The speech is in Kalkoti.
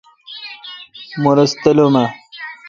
مہ رس تلم اؘ۔